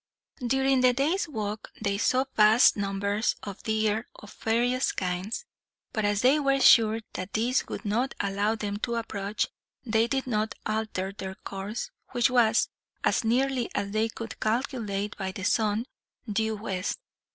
During the day's walk, they saw vast numbers of deer of various kinds; but as they were sure that these would not allow them to approach, they did not alter their course, which was, as nearly as they could calculate by the sun, due west.